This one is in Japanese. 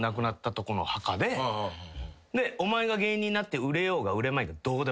「お前が芸人になって売れようが売れまいがどうでもええ」と。